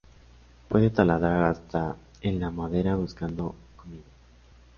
Puede taladrar hasta en la madera buscando comida.